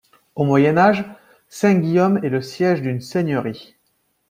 Au Moyen Âge, Saint-Guillaume est le siège d'une seigneurie.